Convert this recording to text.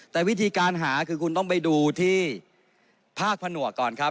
แต่วิธีการหาคือคุณต้องไปดูที่ภาคผนวกก่อนครับ